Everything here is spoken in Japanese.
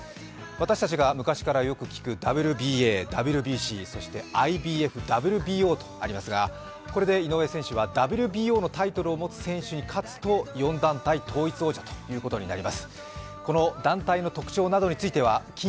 私たちが昔からよく聞くＷＢＡ、ＷＢＣ、そしてＩＢＦ、ＷＢＯとありますが、ＷＢＯのタイトルを持つ選手に勝つと４団体統一王者になります。